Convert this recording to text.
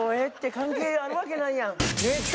関係あるわけないやん。